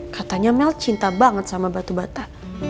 katanya mel cinta banget sama batu bata